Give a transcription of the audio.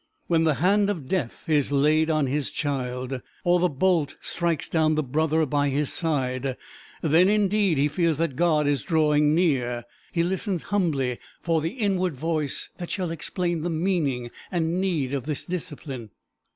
When the hand of death is laid on his child, or the bolt strikes down the brother by his side, then, indeed, he feels that God is drawing near; he listens humbly for the inward voice that shall explain the meaning and need of this discipline.